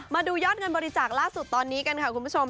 มาดูยอดเงินบริจาคล่าสุดตอนนี้กันค่ะคุณผู้ชม